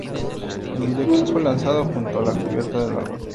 El videoclip fue lanzado junto a la cubierta del álbum.